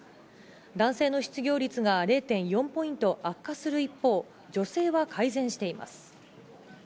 男性の失業率が０．４ポイント悪化する一方、女性は改善しています。